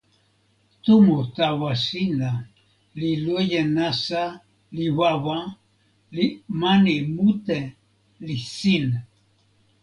tomo tawa sina li loje nasa li wawa li mani mute li sin.